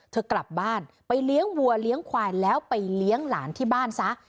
เธอกลับบ้านไปเลี้ยงวัวเลี้ยงควายแล้วไปเลี้ยงหลานที่บ้านซะ